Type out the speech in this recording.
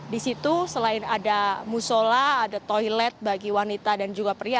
di situ selain ada musola ada toilet bagi wanita dan juga pria